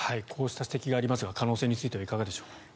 こうした指摘がありますが可能性についてはいかがでしょうか。